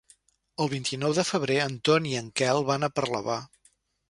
El vint-i-nou de febrer en Ton i en Quel van a Parlavà.